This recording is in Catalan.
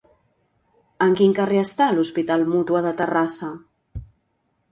En quin carrer està l'hospital Mútua de Terrassa?